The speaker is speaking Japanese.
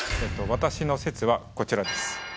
私の説はこちらです。